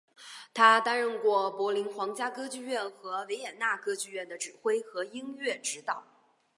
他担任过柏林皇家歌剧院和维也纳歌剧院的指挥和音乐指导。